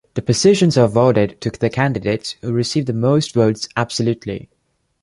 The positions are awarded to the candidates who receive the most votes absolutely.